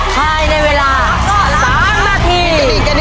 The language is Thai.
ให้ในเวลาสามนาที